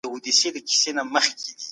تر اورېدلو د حقایقو په سپړلو کې کومک کوي.